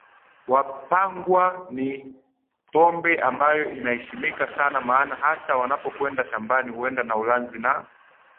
Wapangwa ni pombe ambayo inaheshimika sana maana hata wanapokwenda shambani huenda na ulanzi na